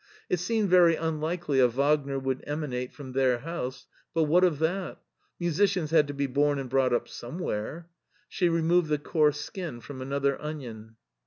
It seemed very unlikely a Wagner would emanate from their house, but what of that? Musicians had to be bom and brought up somewhere. She removed the coarse skin from another onion.